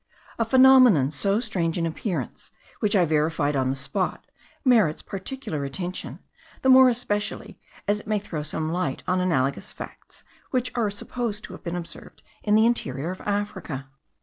A phenomenon so strange in appearance, which I verified on the spot, merits particular attention; the more especially as it may throw some light on analogous facts, which are supposed to have been observed in the interior of Africa.